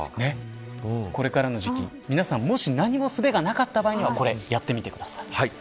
これからの時期、皆さん、もし何もすべがなかった場合はやってみてください。